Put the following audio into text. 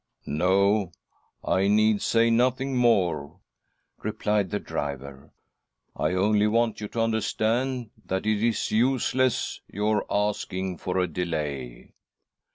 ''" No, I need say nothing more," replied the driver. " I only want you to understand that it is useless your asking for. a delay."